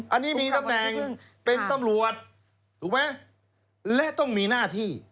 อันนี้มีตำแหน่งเป็นตำรวจถูกไหมและต้องมีหน้าที่